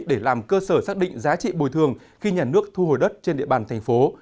để làm cơ sở xác định giá trị bồi thường khi nhà nước thu hồi đất trên địa bàn thành phố